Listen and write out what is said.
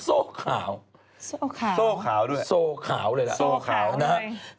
โซ่ขาวโซ่ขาวด้วยโซ่ขาวเลยล่ะโซขาวนะครับ